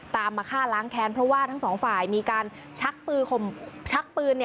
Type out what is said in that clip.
มาฆ่าล้างแค้นเพราะว่าทั้งสองฝ่ายมีการชักปืนชักปืน